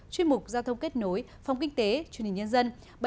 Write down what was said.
chuyên mục giao thông kết nối phòng kinh tế truyền hình nhân dân